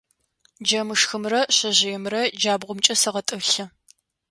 Джэмышхымрэ шъэжъыемрэ джабгъумкӏэ сэгъэтӏылъы.